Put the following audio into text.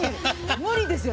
無理ですよ